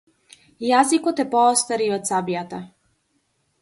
Јaзикoт е пoоcтap и oд caбjaтa.